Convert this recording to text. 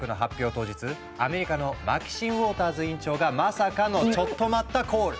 当日アメリカのマキシン・ウォーターズ委員長がまさかのチョット待ったコール！